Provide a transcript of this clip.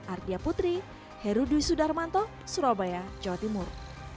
ardia putri herudwi sudarmanto surabaya jawa timur